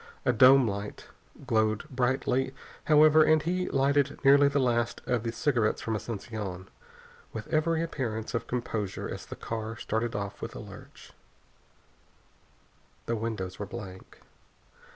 A dome light glowed brightly, however, and he lighted nearly the last of the cigarettes from Asunción with every appearance of composure as the car started off with a lurch. The windows were blank.